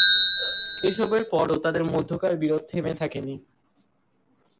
এসবের পরও তাঁদের মধ্যকার বিরোধ থেমে থাকে নি।